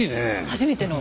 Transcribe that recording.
初めての。